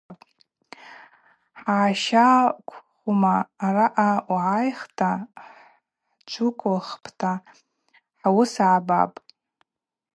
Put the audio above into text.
Сгӏащаквхума – араъа угӏайхта хӏджвыквылхпӏта хӏуыс гӏбапӏ.